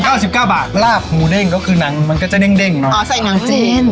เก้าสิบเก้าบาทลาบหมูเด้งก็คือหนังมันก็จะเด้งเนอะอ๋อใส่หนังจีน